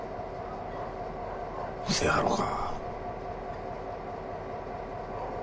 せやろか。